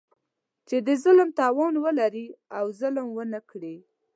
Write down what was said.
چې د ظلم توان ولري او ظلم ونه کړي.